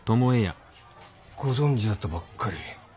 ご存じだとばっかり。